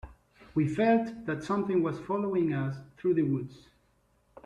We felt that something was following us through the woods.